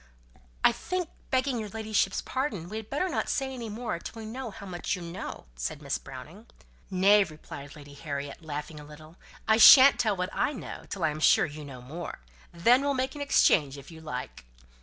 "I think, begging your ladyship's pardon, we had better not say any more till we know how much you know," said Miss Browning. "Nay," replied Lady Harriet, laughing a little, "I shan't tell what I know till I am sure you know more. Then we'll make an exchange if you like."